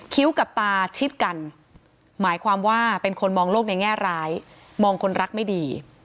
กับตาชิดกันหมายความว่าเป็นคนมองโลกในแง่ร้ายมองคนรักไม่ดี